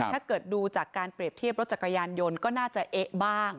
ถ้าเกิดดูจากการเปรียบเทียบรถจักรยานยนต์ก็น่าจะเอ๊ะบ้าง